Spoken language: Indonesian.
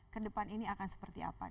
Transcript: ke depan ini akan seperti apa